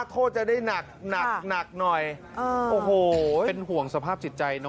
ไปแล้วนะครับ